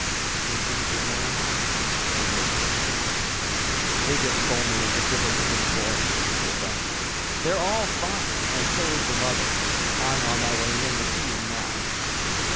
"The invisible man," said Wehling. "They just phoned me that your triplets have been born," said Dr. Hitz. "They're all fine, and so is the mother. I'm on my way in to see them now."